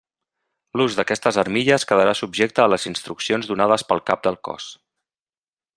L'ús d'aquestes armilles quedarà subjecte a les instruccions donades pel Cap del Cos.